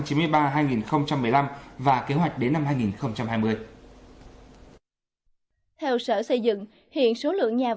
theo sở xây dựng hiện số lượng nhà văn hóa của tp hcm tổ chức di cư quốc tế đã giúp các thành viên nhóm tự lực thành công trong việc trồng trở về